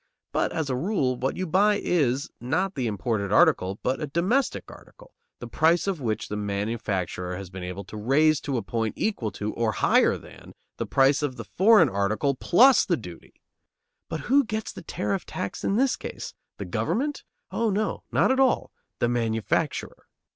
But, as a rule, what you buy is, not the imported article, but a domestic article, the price of which the manufacturer has been able to raise to a point equal to, or higher than, the price of the foreign article plus the duty. But who gets the tariff tax in this case? The government? Oh, no; not at all. The manufacturer.